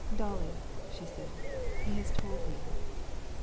"Dolly," she said, "he has told me."